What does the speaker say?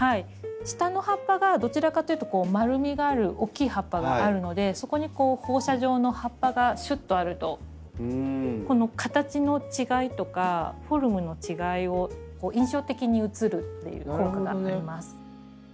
下の葉っぱがどちらかというと丸みがある大きい葉っぱがあるのでそこに放射状の葉っぱがシュッとあるとこの形の違いとかフォルムの違いを印象的に映るっていう効果があります。